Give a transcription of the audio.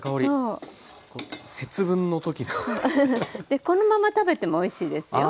でこのまま食べてもおいしいですよ。